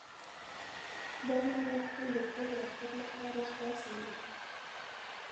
دا لاره تل د تګ راتګ لپاره خلاصه وي.